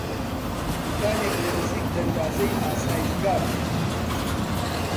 دووکانێک لە نزیک دەروازەی ئاسایشگا بوو